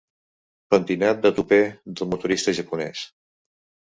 Pentinat de tupè del motorista japonès.